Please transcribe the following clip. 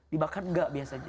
dimakan enggak biasanya